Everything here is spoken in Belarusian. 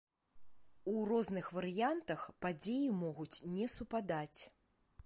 У розных варыянтах падзеі могуць не супадаць.